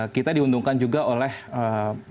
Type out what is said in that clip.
kita diuntungkan juga oleh laju ekonomi